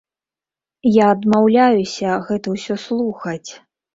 Я адмаўляюся гэта ўсё слухаць.